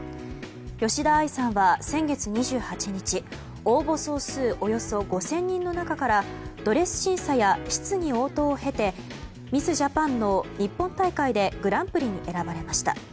吉田愛さんは、先月２８日応募総数およそ５０００人の中からドレス審査や質疑応答を経てミス・ジャパンの日本大会でグランプリに選ばれました。